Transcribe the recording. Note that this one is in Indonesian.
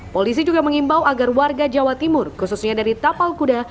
polisi juga mengimbau agar warga jawa timur khususnya dari tapal kuda